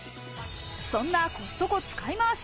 そんなコストコ使いまわし